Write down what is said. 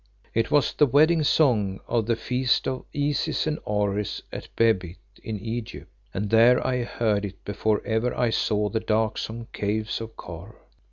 It was the wedding song of the feast of Isis and Osiris at Behbit in Egypt, and there I heard it before ever I saw the darksome Caves of Kôr.